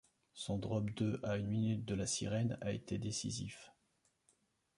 Son drop de à une minute de la sirène a été décisif.